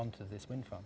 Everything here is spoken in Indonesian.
untuk pembinaan udara ini